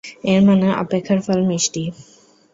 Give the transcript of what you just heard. এর মানে, অপেক্ষার ফল মিষ্টি।